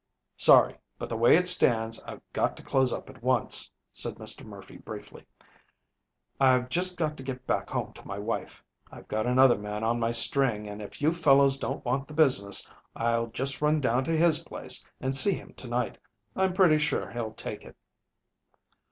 "Sorry, but the way it stands, I've got to close up at once," said Mr. Murphy briefly. "I've just got to get back home to my wife. I've got another man on my string, and if you fellows don't want the business I'll just run down to his place and see him to night. I'm pretty sure he'll take it."